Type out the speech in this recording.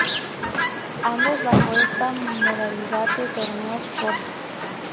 Ambos bajo esta modalidad de torneos cortos.